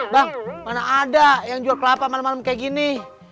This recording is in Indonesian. bang mana ada yang jual kelapa malam malam kayak gini